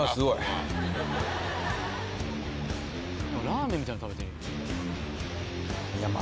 ラーメンみたいなん食べてるやん。